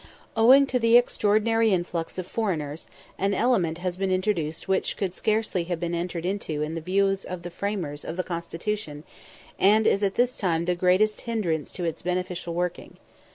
Owing to the extraordinary influx of foreigners, an element has been introduced which could scarcely have entered into the views of the framers of the Constitution, and is at this time the great hindrance to its beneficial working.